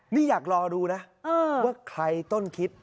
นี่อยากรอดูนะว่าใครต้นคิด